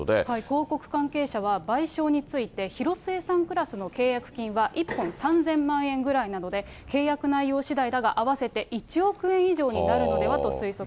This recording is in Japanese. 広告関係者は、賠償について、広末さんクラスの契約金は１本３０００万円ぐらいなので、契約内容しだいだが、合わせて１億円以上になるのではと推測。